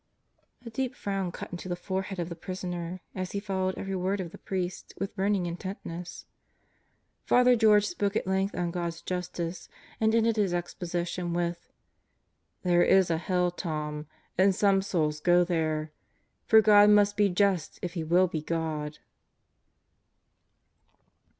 A deep frown cut into the forehead of the prisoner as he followed every word of the priest with burning intentness. Father George spoke at length on God's justice, and ended his exposition with: "There is a hell, Tom. And some souls go there. For God must be just if He will be God."